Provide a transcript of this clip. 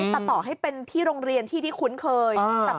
แต่ต่อให้เป็นที่โรงเรียนที่ที่คุ้นเคย